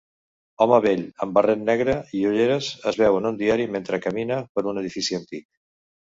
Home vell amb barret negre i ulleres es veu en un diari mentre camina per un edifici antic